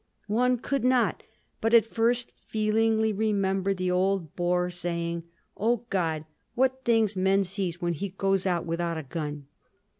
One could not but at first feelingly remember the old Boer saying: "O God, what things man sees when he goes out without a gun!"